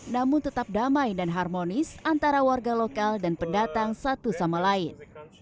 namun tetap damai dan harmonis antara warga lokal dan pendatang satu sama lain